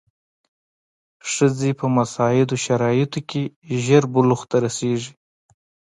ښځې په مساعدو شرایطو کې ژر بلوغ ته رسېږي.